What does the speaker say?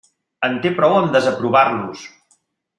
En té prou amb desaprovar-los.